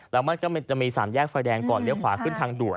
แล้วมันก็จะมี๓แยกไฟแดงก่อนเลี้ยวขวาขึ้นทางด่วน